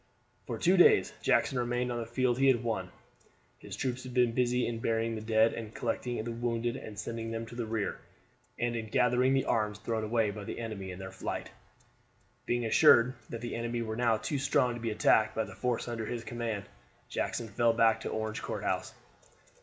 For two days Jackson remained on the field he had won; his troops had been busy in burying the dead, in collecting the wounded and sending them to the rear, and in gathering the arms thrown away by the enemy in their flight. Being assured that the enemy were now too strong to be attacked by the force under his command, Jackson fell back to Orange Courthouse.